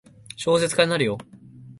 小説家になるよ。